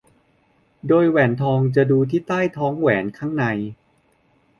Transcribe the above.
โดยแหวนทองจะดูที่ใต้ท้องแหวนข้างใน